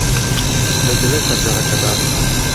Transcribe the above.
دەتەوێت پەنجەرەکە دابخەم؟